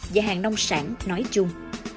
và hàng nông sản nói chung